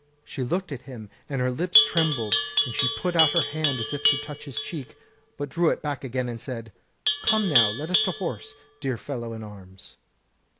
She looked at him, and her lips trembled, and she put out her hand as if to touch his cheek, but drew it back again and said: "Come now, let us to horse, dear fellow in arms."